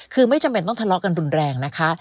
คือไม่จำเป็นต้องทะเลาะกันรุนแรงนะคะ